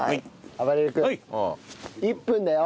あばれる君１分だよ。